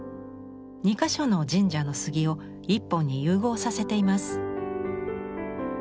２か所の神社の杉を１本に融合させています。